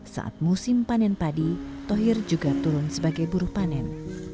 saat musim panen padi thohir juga turun sebagai buruh panen